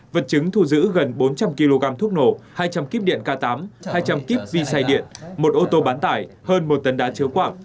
vật chứng thu giữ gần bốn trăm linh kg thuốc nổ hai trăm linh kíp điện k tám hai trăm linh kíp visay điện một ô tô bán tải hơn một tấn đá chứa quạng